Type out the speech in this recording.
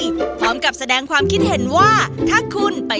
ชื่อว่าอะไรพร้อมกับแสดงความคิดเห็นว่าถ้าคุณไป